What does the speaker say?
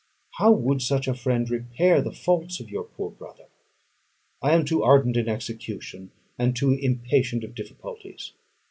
How would such a friend repair the faults of your poor brother! I am too ardent in execution, and too impatient of difficulties.